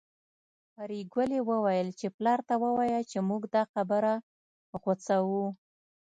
پري ګلې وويل چې پلار ته ووايه چې موږ دا خبره غوڅوو